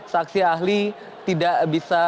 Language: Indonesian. saksi ahli tidak bisa